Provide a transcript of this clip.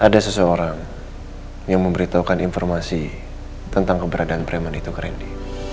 ada seseorang yang memberitahukan informasi tentang keberadaan bremen itu ke randy